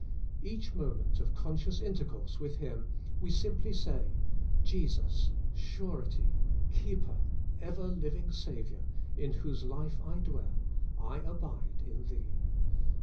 Each moment of conscious intercourse with Him we simply say, 'Jesus, surety, keeper, ever living Saviour, in whose life I dwell, I abide in Thee.'